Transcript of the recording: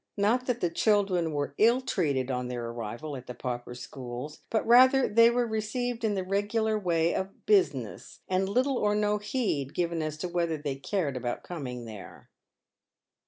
Not that the children were ill treated on their arrival at the pauper schools, but rather they w r ere received in the regular way of business, and little or no heed given as to whether they cared about coming there.